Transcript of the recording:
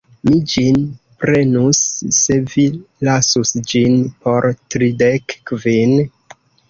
Mi ĝin prenus se vi lasus ĝin por tridek kvin.